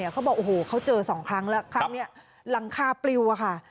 เขาบอกโอ้โหเขาเจอสองครั้งแล้วครั้งนี้หลังคาปลิวอะค่ะ